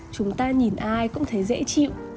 chúng ta nhìn ai cũng thấy dễ chịu